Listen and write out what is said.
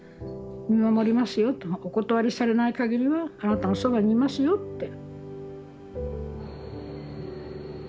お断りされないかぎりはあなたのそばにいますよって。